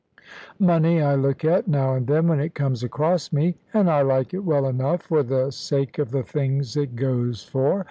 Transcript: Money I look at, now and then, when it comes across me; and I like it well enough for the sake of the things it goes for.